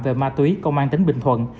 về ma túy công an tỉnh bình thuận